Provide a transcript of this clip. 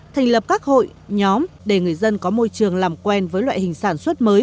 thành lập các hội nhóm để người dân có môi trường làm quen với loại hình sản xuất mới